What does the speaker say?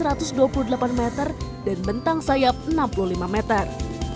pada patung gwk berbahan tembaga dengan tinggi satu ratus dua puluh delapan meter dan bentang sayap enam puluh lima meter